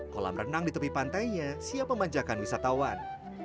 kolam renang di tepi pantainya siap memanjakan wisatawan